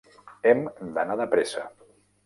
Hem d'anar de pressa.